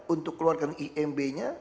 untuk keluarkan imb nya